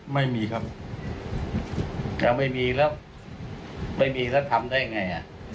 ไม่มีครับถ้าไม่มีแล้วไม่มีแล้วทำได้ไง